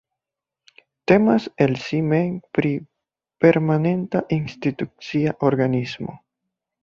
Temas el si mem pri permanenta institucia organismo.